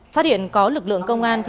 phát hiện có lực lượng công an